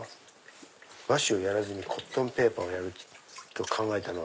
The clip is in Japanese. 和紙をやらずコットンペーパーをやろうと考えたのは？